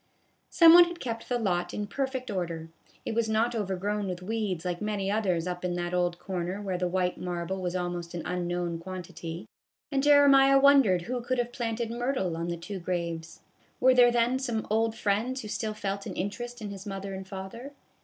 Some one had kept the lot in perfect order. It was not overgrown with weeds like many others up in that old corner where the white marble was almost an unknown quantity, and Jeremiah won dered who could have planted myrtle on the two graves. Were there then some old friends who still felt an interest in his mother and father?